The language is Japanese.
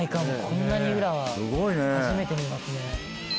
こんなに裏は初めて見ますね。